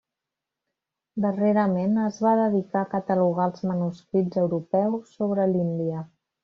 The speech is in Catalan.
Darrerament es va dedicar a catalogar els manuscrits europeus sobre l'Índia.